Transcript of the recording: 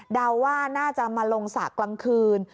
ว่าน่าจะมาลงสระกลางคืน